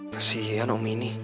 kasian om ini